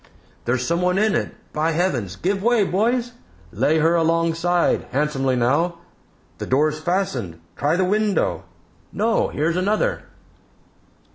"There's someone in it, by heavens! Give way, boys lay her alongside. Handsomely, now! The door's fastened; try the window; no! here's another!"